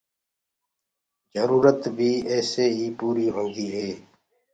جرورت بيٚ ايسي ئي پوريٚ هونديٚ هي